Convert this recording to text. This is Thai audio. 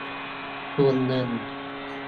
ทุนเงิน